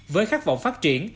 với khát vọng phát triển